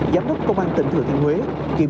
giám đốc công an tỉnh thừa thiên huế